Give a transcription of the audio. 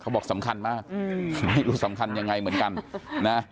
บอกสำคัญมากไม่รู้สำคัญยังไงเหมือนกันนะ